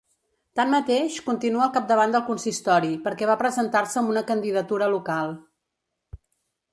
Tanmateix, continua al capdavant del consistori perquè va presentar-se amb una candidatura local.